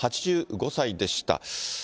８５歳でした。